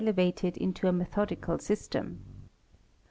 STN evated into a methodical system.